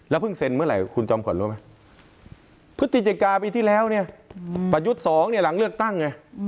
เพิ่งเซ็นเมื่อไหร่คุณจอมขวัญรู้ไหมพฤศจิกาปีที่แล้วเนี่ยประยุทธ์๒เนี่ยหลังเลือกตั้งไง